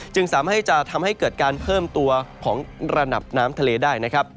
สามารถให้จะทำให้เกิดการเพิ่มตัวของระดับน้ำทะเลได้นะครับ